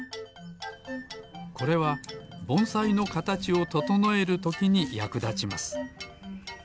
これはぼんさいのかたちをととのえるときにやくだちます。